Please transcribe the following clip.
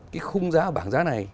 cái khung giá bảng giá này